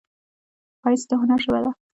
ښایست د هنر ژبه ده